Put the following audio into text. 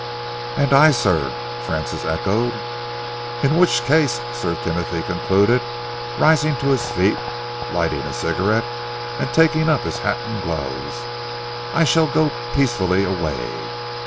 "And I, sir," Francis echoed. "In which case," Sir Timothy concluded, rising to his feet, lighting a cigarette and taking up his hat and gloves, "I shall go peaceably away.